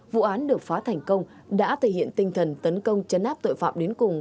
vụ án được phá thành công đã thể hiện tinh thần tấn công chấn áp tội phạm đến cùng